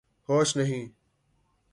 ہوش نہیں